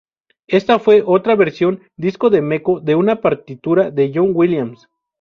Ésta fue otra versión disco de Meco de una partitura de John Williams.